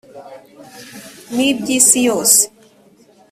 n iby isi yose